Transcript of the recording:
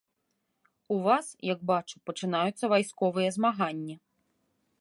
У вас, як бачу, пачынаюцца вайсковыя змаганні.